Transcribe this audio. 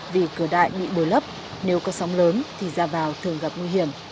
vì cửa đại bị bồi lấp nếu có sóng lớn thì ra vào thường gặp nguy hiểm